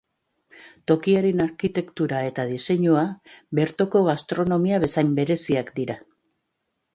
Tokiaren arkitektura eta diseinua, bertoko gastronomia bezain bereziak dira.